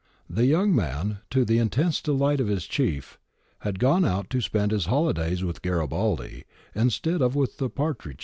The young man, to the intense delight of his chief, had gone out to spend his hohdays with Garibaldi instead of with the partridges.